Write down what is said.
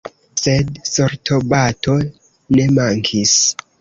Sed sortobato ne mankis.